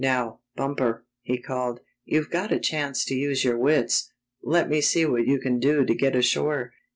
" Now, Bumper," he called, '' you've got a chance to use your wits. Let me see what you can do to get ashore."